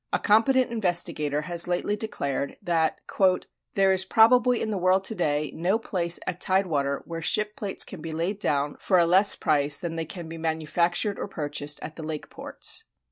A competent investigator has lately declared that "there is probably in the world to day no place at tide water where ship plates can be laid down for a less price than they can be manufactured or purchased at the lake ports."